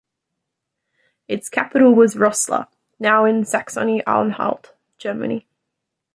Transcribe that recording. Its capital was Rossla, now in Saxony-Anhalt, Germany.